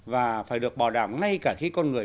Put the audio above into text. và phải được bảo đảm ngay cả khi con người